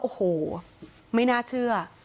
โอ้โหไม่น่าเชื่อ